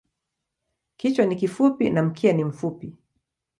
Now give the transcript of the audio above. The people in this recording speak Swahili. Kichwa ni kifupi na mkia ni mfupi.